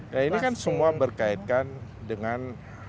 nah ini kan semua berkaitan dengan